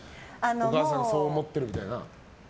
お母さんがそう思ってるみたいなというのは。